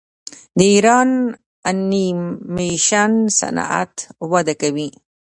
د ایران انیمیشن صنعت وده کوي.